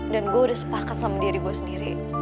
dan gue udah sepakat sama diri gue sendiri